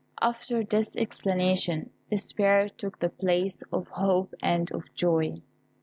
After this explanation, despair took the place of hope and of joy.